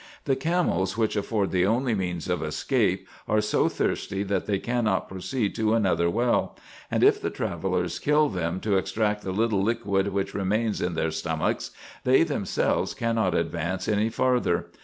The camels, which afford the only means of escape, are ho thirsty that they cannot proceed to another well ; and if the travellers kill them to extract the little liquid which remains in their stomachs, they themselves cannot advance any farther.